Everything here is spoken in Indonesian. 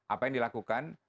apa yang dilakukan